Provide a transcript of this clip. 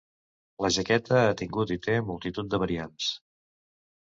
La jaqueta ha tingut i té multitud de variants.